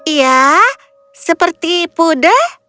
ya seperti puder